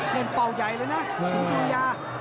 เป้าใหญ่เลยนะสิงสุริยา